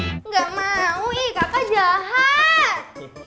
tidak mau ih kakak jahat